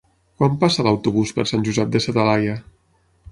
Quan passa l'autobús per Sant Josep de sa Talaia?